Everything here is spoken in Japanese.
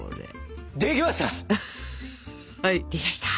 はいできました。